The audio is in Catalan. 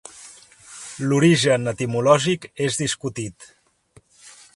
L'origen etimològic és discutit.